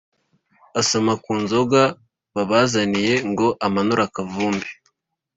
asoma ku nzoga babazaniye ngo amanure akavumbi.